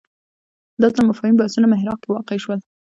دا ځل مفاهیم بحثونو محراق کې واقع شول